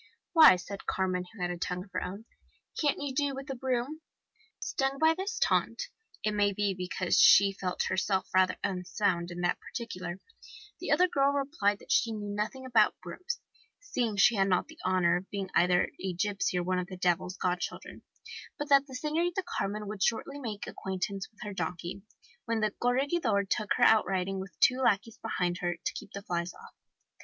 'Why,' said Carmen, who had a tongue of her own, 'can't you do with a broom?' Stung by this taunt, it may be because she felt herself rather unsound in that particular, the other girl replied that she knew nothing about brooms, seeing she had not the honour of being either a gipsy or one of the devil's godchildren, but that the Senorita Carmen would shortly make acquaintance with her donkey, when the Corregidor took her out riding with two lackeys behind her to keep the flies off.